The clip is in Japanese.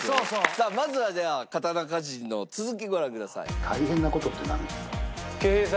さあまずは刀鍛冶の続きご覧ください。